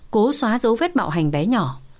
cố xóa dấu vết bạo hành bé nhỏ